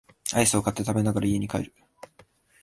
アイスを買って食べながら家に帰る